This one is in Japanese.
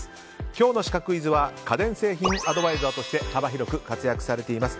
今日のシカクイズは家電製品アドバイザーとして幅広く活躍されています